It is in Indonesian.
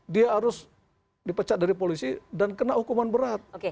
dia harus dipecat dari polisi dan kena hukuman berat